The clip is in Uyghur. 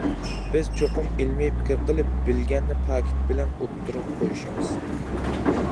بىز چوقۇم ئىلمىي پىكىر قىلىپ، بىلگەننى پاكىت بىلەن ئوتتۇرىغا قويۇشىمىز.